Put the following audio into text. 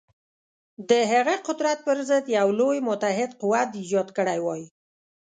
د هغه قدرت پر ضد یو لوی متحد قوت ایجاد کړی وای.